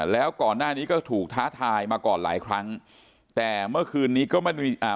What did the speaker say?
แล้วก่อนหน้านี้ก็ถูกท้าทายมาก่อนหลายครั้งแต่เมื่อคืนนี้ก็ไม่ได้อ่า